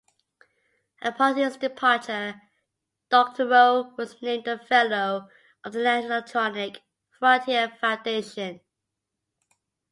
Upon his departure, Doctorow was named a Fellow of the Electronic Frontier Foundation.